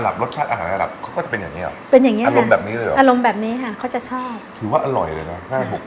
รสชาติอาหารหลับก็เค้าจะเป็นแบบนี้อารมณ์แบบนี้เลยหรออารมณ์แบบเนี้ยเค้าจะชอบ